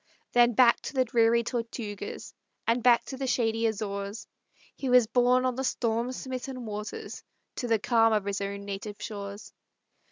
Then back by the dreary Tortugas, And back by the shady Azores, He was borne on the storm smitten waters To the calm of his own native shores.